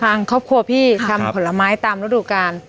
ทางครอบครัวพี่ทำผลไม้ตามฤดูกาล